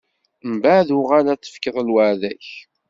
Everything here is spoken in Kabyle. Mbeɛd, uɣal ad tefkeḍ lweɛda-k.